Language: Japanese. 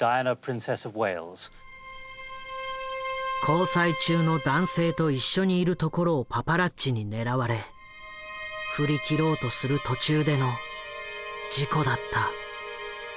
交際中の男性と一緒にいるところをパパラッチに狙われ振り切ろうとする途中での事故だった。